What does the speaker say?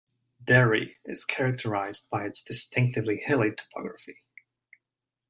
Derry is characterised by its distinctively hilly topography.